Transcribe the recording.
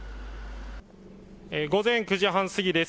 午前９時半過ぎです。